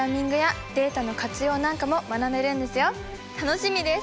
楽しみです。